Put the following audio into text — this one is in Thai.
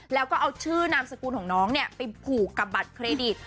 แล้วก็เอาชื่อนามสกุลของน้องไปผูกกับบัตรเครดิต